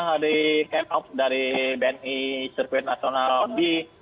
ada di camp out dari bni circuit national b